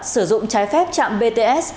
sử dụng trái phép trạm bts